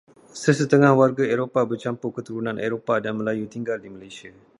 Sesetengah warga Eropah bercampur keturunan Eropah dan Melayu tinggal di Malaysia.